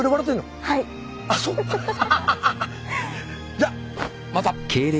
じゃあまた。